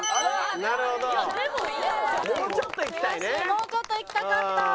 もうちょっといきたかった。